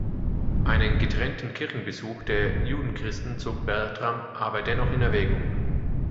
Einen getrennten Kirchenbesuch der Judenchristen zog Bertram aber dennoch in Erwägung.